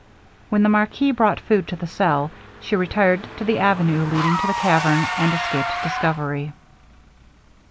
When the marquis brought food to the cell, she retired to the avenue leading to the cavern, and escaped discovery.